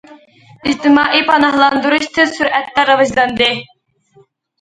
ئىجتىمائىي پاناھلاندۇرۇش تېز سۈرئەتتە راۋاجلاندى.